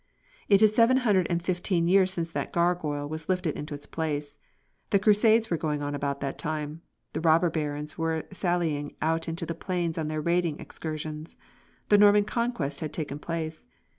It is seven hundred and fifteen years since that gargoyle was lifted into its place. The Crusades were going on about that time; the robber barons were sallying out onto the plains on their raiding excursions. The Norman Conquest had taken place.